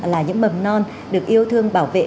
là những mầm non được yêu thương bảo vệ